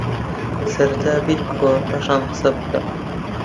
سەرەتا بیر بکەوە پاشان قسەبکە